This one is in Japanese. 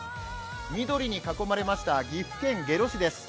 緑に囲まれました岐阜県下呂市です。